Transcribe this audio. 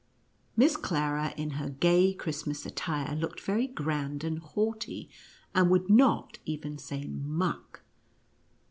Miss Clara, in her gay Christmas attire, looked very grand and haughty, and would not even say " Muck.